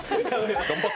頑張って。